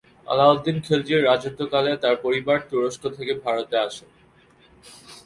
আলাউদ্দিন খিলজির রাজত্বকালে তার পরিবার তুরস্ক থেকে ভারতে আসেন।